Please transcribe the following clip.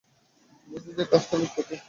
বুঝি যে কাজটা অনেক কঠিন।